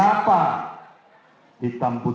saya sampaikan bahwa saya bukan orang abu abu